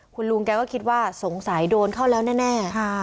คุณลุงแกก็คิดว่าสงสัยโดนเข้าแล้วแน่